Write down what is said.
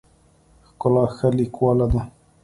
ښکلا ښه لیکواله ده.